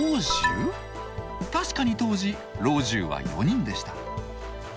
確かに当時老中は４人でした。